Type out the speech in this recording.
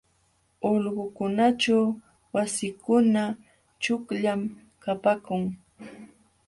Ulqukunaćhu wasikuna chuqllam kapaakun.